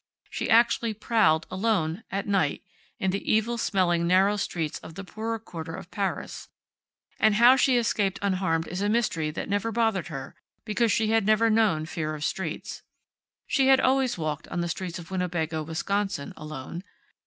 She actually prowled, alone, at night, in the evil smelling, narrow streets of the poorer quarter of Paris, and how she escaped unharmed is a mystery that never bothered her, because she had never known fear of streets. She had always walked on the streets of Winnebago, Wisconsin, alone.